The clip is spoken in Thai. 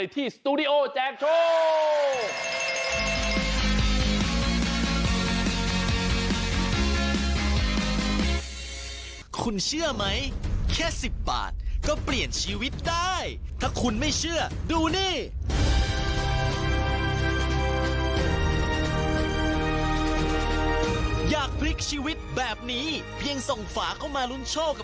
ติดตามกันเลยที่สตูดิโอแจกโชค